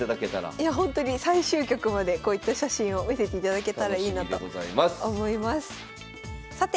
いやほんとに最終局までこういった写真を見せていただけたらいいなと思います。